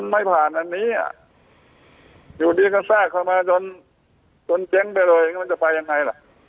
ไม่พาดนี้อยู่ดีกันสร้างเขามาจนเจ็งไปเลย